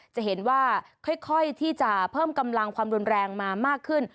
จะเห็นว่าค่อยที่จะเพิ่มกำลังความรุนแรงมามากขึ้น